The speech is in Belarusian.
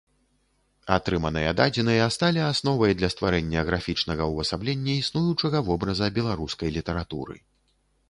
Атрыманыя дадзеныя сталі асновай для стварэння графічнага ўвасаблення існуючага вобраза беларускай літаратуры.